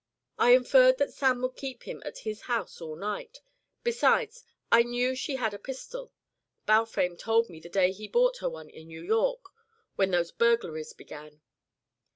"I inferred that Sam would keep him at his house all night. Besides, I knew she had a pistol. Balfame told me the day he bought her one in New York; when those burglaries began."